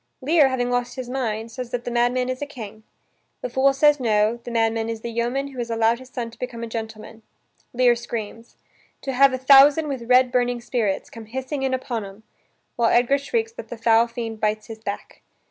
Lear, having lost his mind, says that the madman is a king. The fool says no, the madman is the yeoman who has allowed his son to become a gentleman. Lear screams: "To have a thousand with red burning spirits. Come hissing in upon 'em," while Edgar shrieks that the foul fiend bites his back.